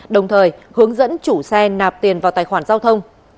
đồng thời hướng dẫn chủ xe nạp tiền vào tài khoản giao thông